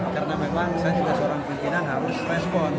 karena memang saya juga seorang pimpinan harus respon